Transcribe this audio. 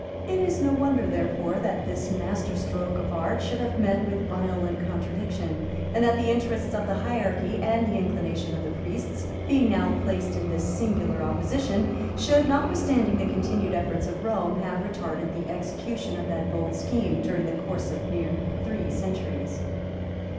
It is no wonder, therefore, that this master stroke of art should have met with violent contradiction, and that the interests of the hierarchy, and the inclinations of the priests, being now placed in this singular opposition, should, notwithstanding the continued efforts of Rome have retarded the execution of that bold scheme during the course of near three centuries.